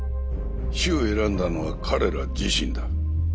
死を選んだのは彼ら自身だ。